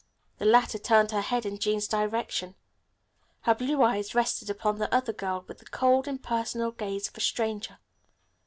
The latter turned her head in Jean's direction. Her blue eyes rested upon the other girl with the cold, impersonal gaze of a stranger.